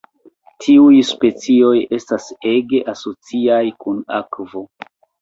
Tiuj specioj estas ege asociaj kun akvo.